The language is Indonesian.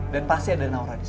dan pasti ada naura disini